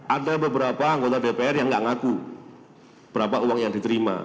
ada beberapa anggota dpr yang nggak ngaku berapa uang yang diterima